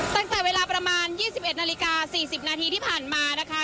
ตั้งแต่เวลาประมาณ๒๑นาฬิกา๔๐นาทีที่ผ่านมานะคะ